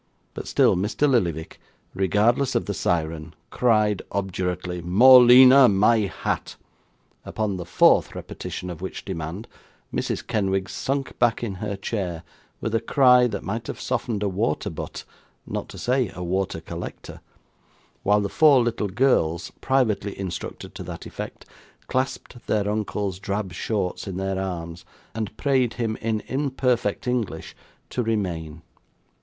But still Mr. Lillyvick, regardless of the siren, cried obdurately, 'Morleena, my hat!' upon the fourth repetition of which demand, Mrs Kenwigs sunk back in her chair, with a cry that might have softened a water butt, not to say a water collector; while the four little girls (privately instructed to that effect) clasped their uncle's drab shorts in their arms, and prayed him, in imperfect English, to remain.